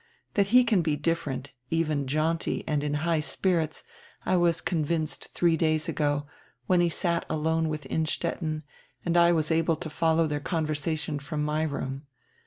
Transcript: That he can be different, even jaunty and in high spirits, I was convinced three days ago, when he sat alone with Innstetten, and I was able to follow their conversation from my room.